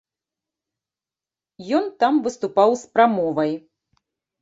Ён там выступаў з прамовай.